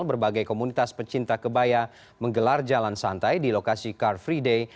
berbagai komunitas pecinta kebaya menggelar jalan santai di lokasi car free day